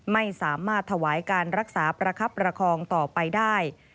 ไม่สามารถถวายการรักษาประคับประคองต่อไปได้